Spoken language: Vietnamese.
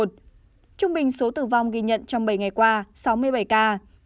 trung bình số tử vong ghi nhận trong bảy ngày qua sáu mươi bảy ca